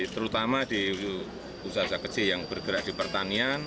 terutama di usaha usaha kecil yang bergerak di pertanian